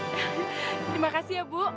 terima kasih ya bu